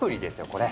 これ。